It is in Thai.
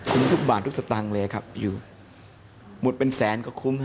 คุ้มทุกบาททุกสตางเลยครับมุดเป็นแสนก็คุ้ม